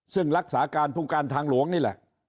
ซึ่งรักษาการผู้การทางหลวงนี่แหละ